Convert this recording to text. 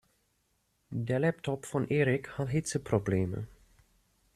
Der Laptop von Erik hat Hitzeprobleme.